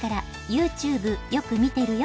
「ＹｏｕＴｕｂｅよく見てるよ」